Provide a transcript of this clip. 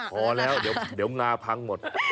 พอแล้วเดี๋ยวงาพังหมด